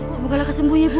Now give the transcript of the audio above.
semoga lah kesembuh ibu